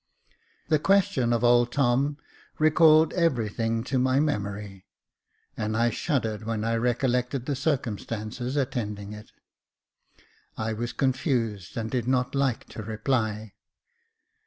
The question of old Tom recalled everything to my memory, and I shuddered when I recollected the circumstances attending it. I was con fused and did not like to reply.